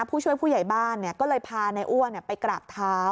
ผู้ช่วยผู้ใหญ่บ้านเนี่ยก็เลยพาในอ้วนเนี่ยไปกราบเท้า